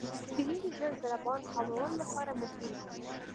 • شیدې د زړه د ضربان کمولو لپاره مفیدې دي.